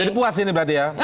jadi puas ini berarti ya